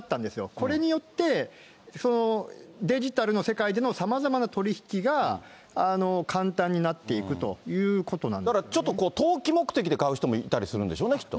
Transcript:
これによってデジタルの世界でのさまざまな取り引きが簡単になっだから、ちょっと投機目的で買う人もいたりするんでしょうね、きっと。